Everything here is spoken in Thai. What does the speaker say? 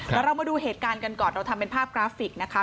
แต่เรามาดูเหตุการณ์กันก่อนเราทำเป็นภาพกราฟิกนะคะ